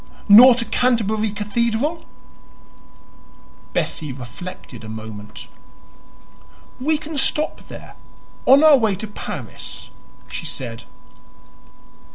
"Nor to Canterbury Cathedral?" Bessie reflected a moment. "We can stop there on our way to Paris," she said.